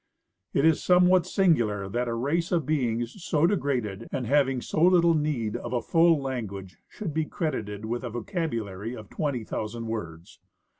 It is somewhat singular that a race of beings so degraded and having so little need of a full language should be credited with a vocabulary of twenty thousand words.